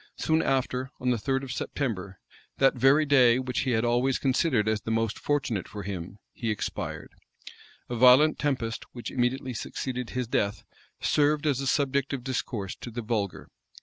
Soon after, on the third of September, that very day which he had always considered as the most fortunate for him, he expired, A violent tempest, which immediately succeeded his death, served as a subject of discourse to the vulgar.